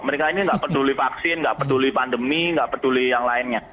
mereka ini nggak peduli vaksin nggak peduli pandemi nggak peduli yang lainnya